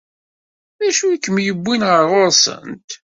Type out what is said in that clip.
D acu i kem-yewwin ɣer ɣur-sent?